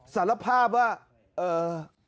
สารภาพว่าเอ่อ